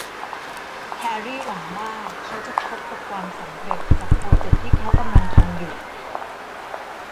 แฮรรี่หวังว่าเขาจะพบกับความสำเร็จจากโปรเจคที่เขากำลังทำอยู่